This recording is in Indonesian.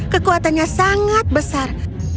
kekuatannya sangat besar